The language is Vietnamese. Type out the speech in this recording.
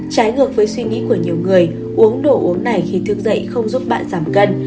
trái ngược với suy nghĩ của nhiều người uống đồ uống này khi thức dậy không giúp bạn giảm cân